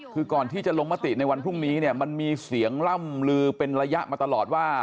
คือก่อนที่จะลงมติในวันพรุ่งนี้เนี่ยมันมีเสียงล่ำลือเป็นระยะมาตลอดว่า